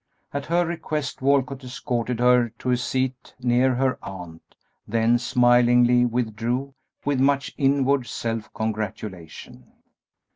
At her request, Walcott escorted her to a seat near her aunt, then smilingly withdrew with much inward self congratulation.